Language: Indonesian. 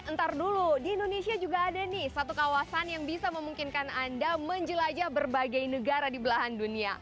ntar dulu di indonesia juga ada nih satu kawasan yang bisa memungkinkan anda menjelajah berbagai negara di belahan dunia